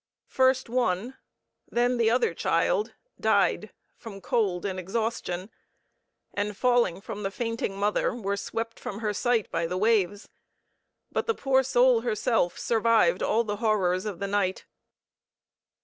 First one and then the other child died from cold and exhaustion, and falling from the fainting mother were swept from her sight by the waves, but the poor soul herself survived all the horrors of the night.